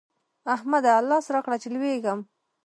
احمده! لاس راکړه چې لوېږم.